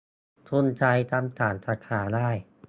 - กรุงไทย ทำต่างสาขาได้